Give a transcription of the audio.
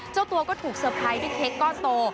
เจ้าตัวก็ถูกเตอร์ไพรส์ด้วยเค้กก้อนโต